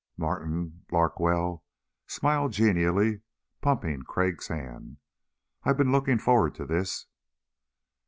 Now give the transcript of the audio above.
Martin Larkwell smiled genially, pumping Crag's hand. "I've been looking forward to this."